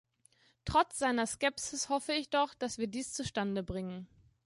Trotz seiner Skepsis hoffe ich doch, dass wir dies zustande bringen.